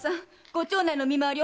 ご町内の見回り